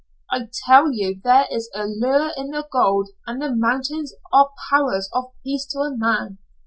"I tell you there is a lure in the gold, and the mountains are powers of peace to a man.